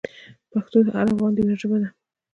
پښتو د هر افغان د ویاړ ژبه ده.